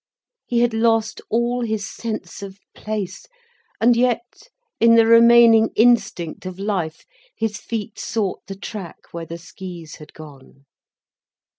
He had lost all his sense of place. And yet in the remaining instinct of life, his feet sought the track where the skis had gone.